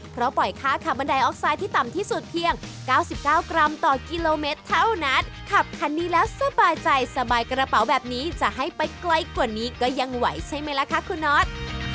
เพราะปล่อยค่าขับบันไดออกไซด์ที่ต่ำที่สุดเพียง๙๙กรัมต่อกิโลเมตรเท่านั้นขับคันนี้แล้วสบายใจสบายกระเป๋าแบบนี้จะให้ไปไกลกว่านี้ก็ยังไหวใช่ไหมล่ะคะคุณน็อต